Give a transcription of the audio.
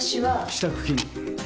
支度金。